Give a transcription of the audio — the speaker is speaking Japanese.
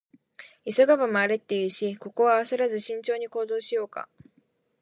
「急がば回れ」って言うし、ここは焦らず慎重に行動しようか。